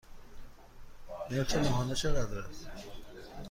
نرخ ماهانه چقدر است؟